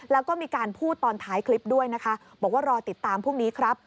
แล้วก็มีการพูดตอนท้ายคลิปด้วยนะคะบอกว่ารอติดตามพรุ่งนี้ครับ